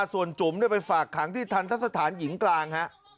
ส่วนจุ๋มไปฝากขังที่ทันทะสถานหญิงกลางฮะ